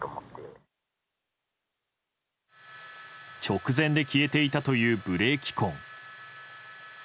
直前で消えていたというブレーキ痕。